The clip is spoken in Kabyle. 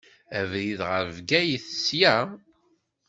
Abrid ɣer Bgayet, sya.